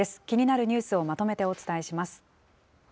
気になるニュースをまとめてお伝